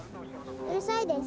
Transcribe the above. うるさいです。